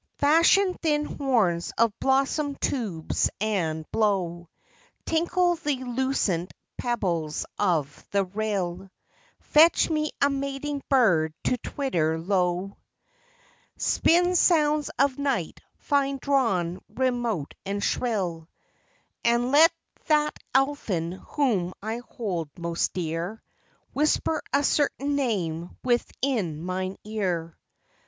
Fashion thin horns of blossom tubes and blow ; Tinkle the lucent pebbles of the rill ; Fetch me a mating bird to twitter low ; 35 3 6 DREAMS. Spin sounds of night, fine drawn, remote and shrill ; And let that elfin whom I hold most dear Whisper a certain name within mine ear.